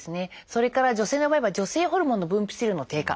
それから女性の場合は女性ホルモンの分泌量の低下。